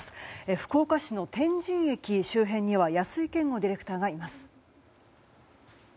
福岡市の天神駅周辺には安井健吾ディレクターがいます。